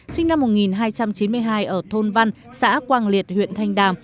chu văn an sinh năm một nghìn hai trăm chín mươi hai ở thôn văn xã quang liệt huyện thanh đàm